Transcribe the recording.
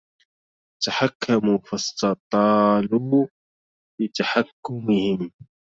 تحكموا فاستطالوا في تحكمهم